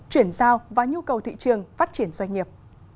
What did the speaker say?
chuyển giao và nhu cầu thị trường phát triển doanh nghiệp